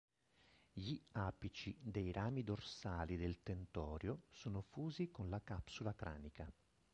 Gli apici dei rami dorsali del tentorio sono fusi con la capsula cranica.